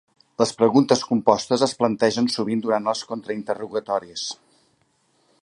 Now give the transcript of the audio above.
Les preguntes compostes es plantegen sovint durant els contrainterrogatoris.